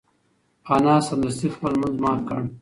انا سمدستي خپل لمونځ مات کړ.